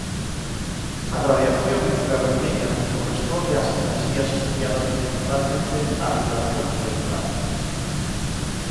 A radiación infravermella corresponde ás enerxías asociadas principalmente á vibración molecular.